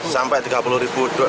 sampai tiga puluh ribu